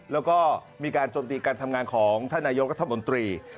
แล้วก็มีการจนติกันทำงานของท่านนายนกธมนตรี